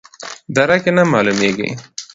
درک یې نه معلومیږي.